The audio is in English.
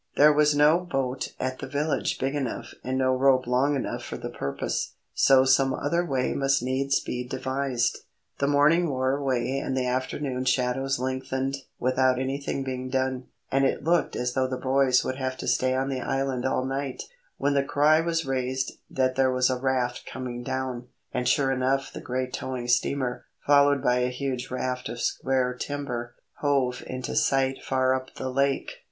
There was no boat at the village big enough and no rope long enough for the purpose, so some other way must needs be devised. The morning wore away and the afternoon shadows lengthened without anything being done, and it looked as though the boys would have to stay on the island all night, when the cry was raised that there was a raft coming down; and sure enough the great towing steamer, followed by a huge raft of square timber, hove into sight far up the lake.